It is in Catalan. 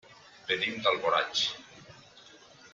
Venim d'Alboraig.